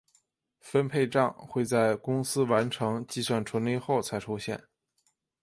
分配帐会在公司完成计算纯利后才出现。